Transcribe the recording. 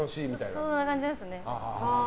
そんな感じですね。